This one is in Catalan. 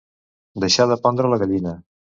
Deixar de pondre la gallina.